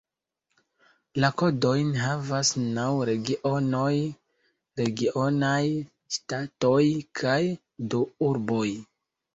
La kodojn havas naŭ regionoj (regionaj ŝtatoj) kaj du urboj.